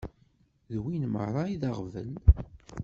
D win merra i d aɣbel.